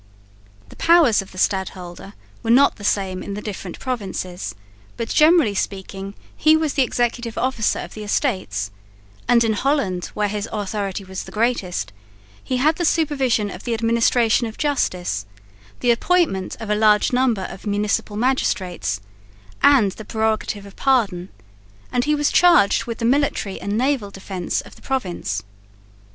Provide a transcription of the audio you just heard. The powers of the stadholder were not the same in the different provinces, but generally speaking he was the executive officer of the Estates; and in Holland, where his authority was the greatest, he had the supervision of the administration of justice, the appointment of a large number of municipal magistrates, and the prerogative of pardon, and he was charged with the military and naval defence of the province.